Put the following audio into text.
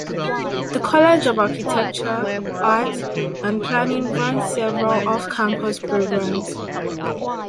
The College of Architecture, Art, and Planning runs several off-campus programs.